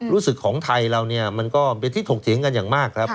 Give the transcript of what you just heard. รู้สึกของไทยเราเนี่ยมันก็เป็นที่ถกเถียงกันอย่างมากครับ